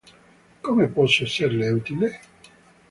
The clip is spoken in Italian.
Come posso esserle utile?